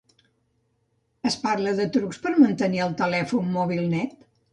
Es parla de trucs per mantenir el telèfon mòbil net?